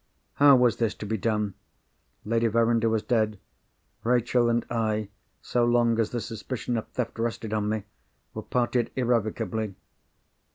How was this to be done? Lady Verinder was dead. Rachel and I, so long as the suspicion of theft rested on me, were parted irrevocably.